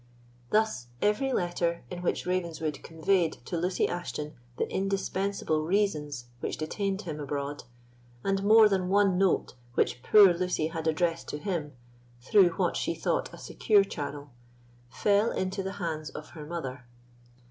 Thus every letter, in which Ravenswood conveyed to Lucy Ashton the indispensable reasons which detained him abroad, and more than one note which poor Lucy had addressed to him through what she thought a secure channel, fell into the hands of her mother.